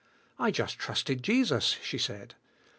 *' "I just trusted Jesus," she said.